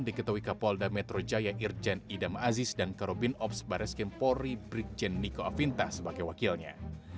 di ketowi kapolda metro jaya irjen idam aziz dan karobin ops bareskem polri brikjen niko afinta sebagai wakilnya